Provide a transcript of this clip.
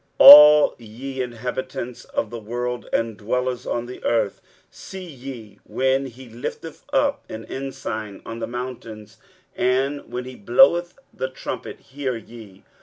23:018:003 All ye inhabitants of the world, and dwellers on the earth, see ye, when he lifteth up an ensign on the mountains; and when he bloweth a trumpet, hear ye.